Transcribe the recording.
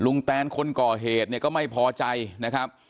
แตนคนก่อเหตุเนี่ยก็ไม่พอใจนะครับ